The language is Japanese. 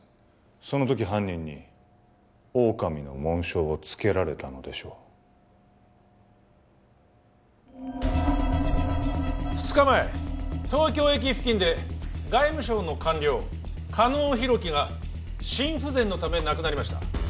その時犯人に狼の紋章をつけられたのでしょう２日前東京駅付近で外務省の官僚狩野浩紀が心不全のため亡くなりました